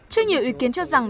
chưa nhiều ý kiến cho rằng